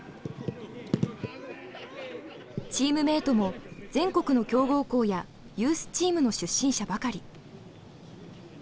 チームメートも全国の強豪校やユースチームの出身者ばかり。